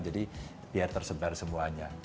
jadi biar tersebar semuanya